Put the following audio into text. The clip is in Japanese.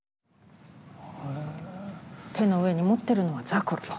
手の上に持ってるのはザクロと。